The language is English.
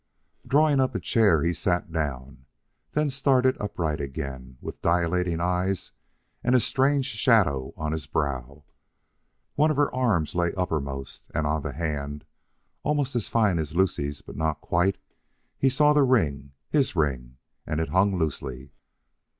Drawing up a chair, he sat down; then started upright again with dilating eyes and a strange shadow on his brow. One of her arms lay uppermost and on the hand almost as fine as Lucie's, but not quite, he saw the ring his ring, and it hung loosely.